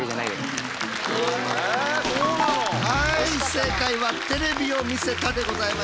正解はテレビを見せたでございました。